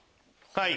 はい！